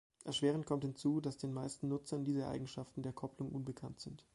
Erschwerend kommt hinzu, dass den meisten Nutzern diese Eigenschaften der Kopplung unbekannt sind.